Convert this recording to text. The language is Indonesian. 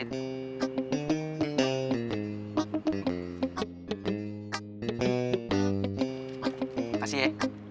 terima kasih ya